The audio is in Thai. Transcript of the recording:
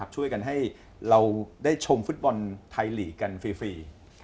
ช่วยกันให้เราได้ชมฟุตบอลไทยลีกกันฟรี